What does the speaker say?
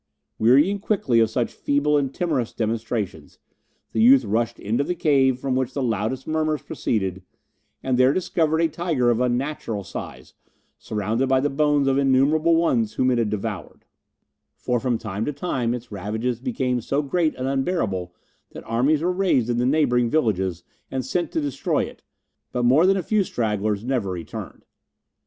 Wearying quickly of such feeble and timorous demonstrations, the youth rushed into the cave from which the loudest murmurs proceeded, and there discovered a tiger of unnatural size, surrounded by the bones of innumerable ones whom it had devoured; for from time to time its ravages became so great and unbearable, that armies were raised in the neighbouring villages and sent to destroy it, but more than a few stragglers never returned.